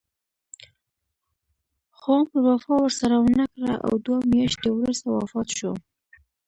خو عمر وفا ورسره ونه کړه او دوه میاشتې وروسته وفات شو.